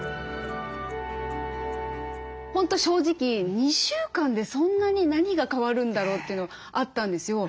本当正直２週間でそんなに何が変わるんだろうというのがあったんですよ。